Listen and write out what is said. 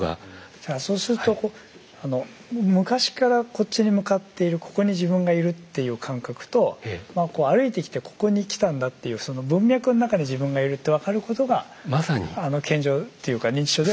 じゃあそうすると昔からこっちに向かっているここに自分がいるっていう感覚とまあこう歩いてきてここに来たんだっていうその文脈の中に自分がいるってわかることが健常っていうか認知症ではないっていう。